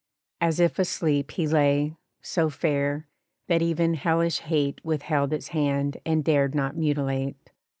As if asleep He lay, so fair, that even hellish hate Withheld its hand and dared not mutilate.